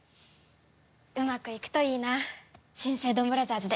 うまくいくといいな新生ドンブラザーズで。